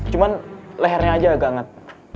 cuma lehernya aja agak hangat